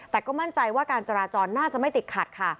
แต่ก็มั่นใจว่าการจราจรน่าจะไม่ติดขัดค่ะ